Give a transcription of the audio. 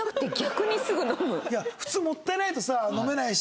普通もったいないとさ飲めないし。